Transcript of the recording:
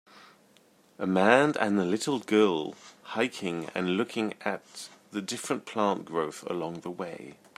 A man an little girl hiking and looking at the different plant growth along the way.